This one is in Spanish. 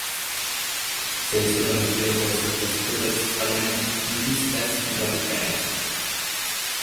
Se hizo conocido por sus posturas falangistas radicales.